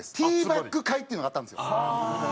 Ｔバック会っていうのがあったんですよ。